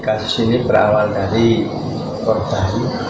kasus ini berawal dari korban